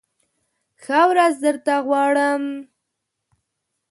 ښه ورځ درته غواړم !